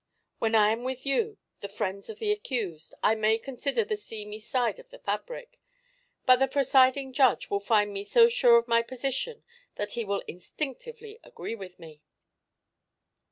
When I am with you, the friends of the accused, I may consider the seamy side of the fabric; but the presiding judge will find me so sure of my position that he will instinctively agree with me."